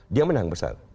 dia menang besar